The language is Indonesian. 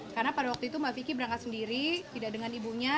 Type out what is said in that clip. karena pada waktu itu mbak vicky berangkat sendiri tidak dengan ibunya